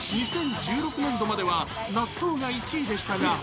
２０１６年度までは納豆が１位でしたが。